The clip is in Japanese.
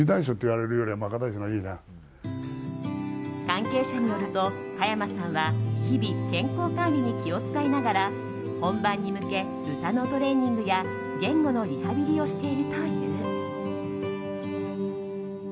関係者によると加山さんは日々健康管理に気を使いながら本番に向け歌のトレーニングや言語のリハビリをしているという。